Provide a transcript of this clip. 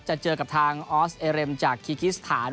จะเจอกับทางออสเอเรมจากคีกิสถาน